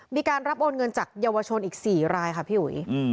มีการรับโอนเงินจากเยาวชนอีก๔รายค่ะพี่อุ๋ย